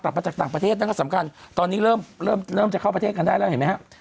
มาจากต่างประเทศนั่นก็สำคัญตอนนี้เริ่มเริ่มจะเข้าประเทศกันได้แล้วเห็นไหมครับ